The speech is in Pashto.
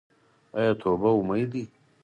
آیا توبه امید دی؟